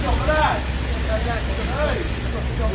อ๋อต้องกลับมาก่อน